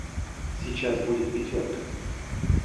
Сейчас будет пятерка.